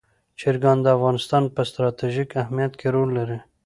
چرګان د افغانستان په ستراتیژیک اهمیت کې رول لري.